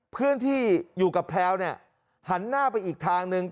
เพื่อนที่อยู่กับแพลวเนี่ยหันหน้าไปอีกทางหนึ่ง